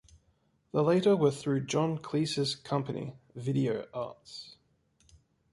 The latter were through John Cleese's company Video Arts.